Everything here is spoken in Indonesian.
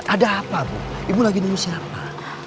ada apa bu ibu lagi nunggu siapa